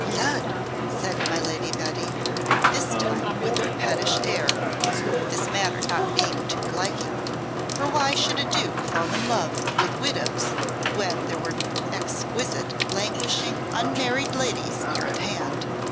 "Lud!" said my Lady Betty, this time with her pettish air, this matter not being to her liking, for why should a Duke fall in love with widows when there were exquisite languishing unmarried ladies near at hand.